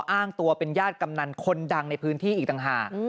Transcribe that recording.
อ้างตัวเป็นญาติกำนันคนดังในพื้นที่อีกต่างหาก